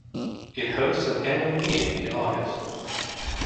It hosts an annual meeting in August.